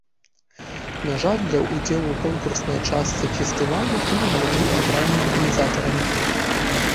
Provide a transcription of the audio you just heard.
На жаль, для ўдзелу ў конкурснай частцы фестывалю фільм не быў абраны арганізатарамі.